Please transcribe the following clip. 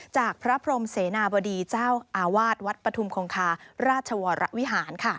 จากพระพรมเสนาบดีเจ้าอาวาสวัดปฐุมคงคาราชวรวิหาร